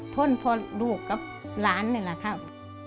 ทนเพราะลูกกับหลานนี่แหละครับ